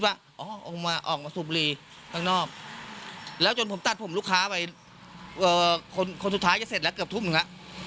ผมมาออกสุบบุหรี่ครั้งนอกแล้วจนผมตัดผมลูกค้าไปคนสุดท้ายจะเสร็จแค่กับทุกนึงอะ